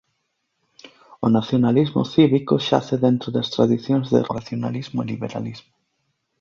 O nacionalismo cívico xace dentro das tradicións de racionalismo e liberalismo.